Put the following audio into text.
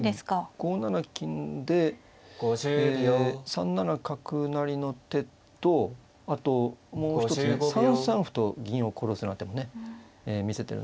５七金で３七角成の手とあともう一つね３三歩と銀を殺すような手もね見せてるんですよ。